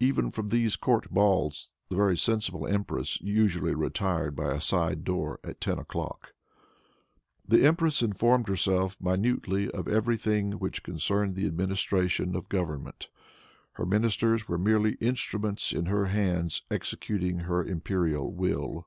Even from these court balls the very sensible empress usually retired, by a side door, at ten o'clock. The empress informed herself minutely of every thing which concerned the administration of government. Her ministers were merely instruments in her hands executing her imperial will.